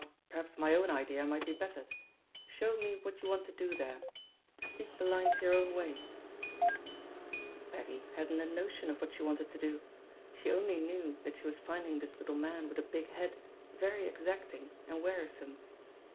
perhaps my own idea might be bettered — ^show me what you want to do there, speak the lines your own wayT* Peggy hadn't a notion of what she wanted to do; she only knew that she was finding this* Uttle man with a big head very exacting and weari some.